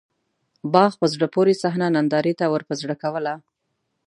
باغ په زړه پورې صحنه نندارې ته ورپه زړه کوله.